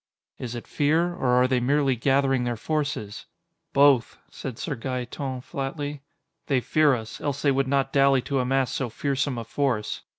"Is it fear, or are they merely gathering their forces?" "Both," said Sir Gaeton flatly. "They fear us, else they would not dally to amass so fearsome a force.